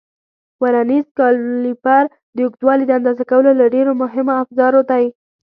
ورنیز کالیپر د اوږدوالي د اندازه کولو له ډېرو مهمو افزارو دی.